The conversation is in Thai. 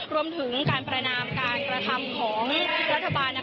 รวมถึงการประนามการกระทำของรัฐบาล